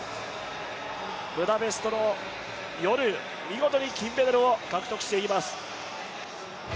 ブダペストの夜、見事に金メダルを獲得しています。